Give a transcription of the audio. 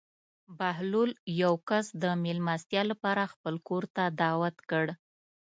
بهلول یو کس د مېلمستیا لپاره خپل کور ته دعوت کړ.